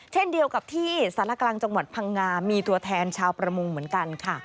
เช่นเดียวกับที่สารกลางจังหวัดพังงามีตัวแทนชาวประมงเหมือนกันค่ะ